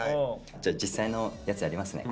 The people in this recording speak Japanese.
じゃあ実際のやつやりますね